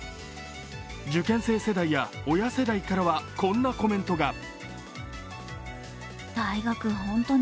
受験生世代や親世代からはこんなコメントが。